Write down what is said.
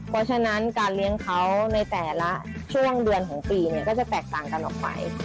เพราะฉะนั้นการเลี้ยงเขาในแต่ละช่วงเดือนของปีเนี่ยก็จะแตกต่างกันออกไป